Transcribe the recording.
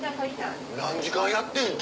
何時間やってんの？